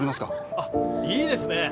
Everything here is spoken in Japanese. あっいいですね！